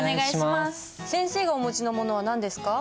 先生がお持ちの物は何ですか？